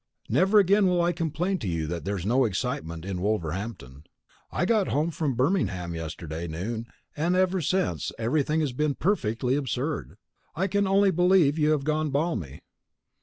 Never again will I complain to you that there is no excitement in Wolverhampton. I got home from Birmingham yesterday noon and since then everything has been perfectly absurd. I can only believe you have gone balmy.